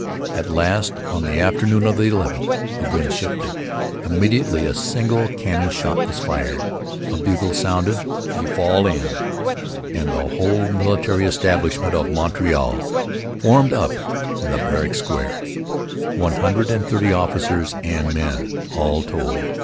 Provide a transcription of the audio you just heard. At last, on the afternoon of the 11th, the wind shifted. Immediately a single cannon shot was fired, a bugle sounded the fall in! and 'the whole military establishment' of Montreal formed up in the barrack square one hundred and thirty officers and men, all told.